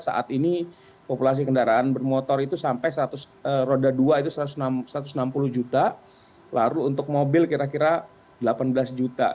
saat ini populasi kendaraan bermotor itu sampai seratus roda dua itu satu ratus enam puluh juta lalu untuk mobil kira kira delapan belas juta